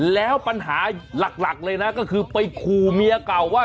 แล้วปัญหาหลักเลยนะก็คือไปขู่เมียเก่าว่า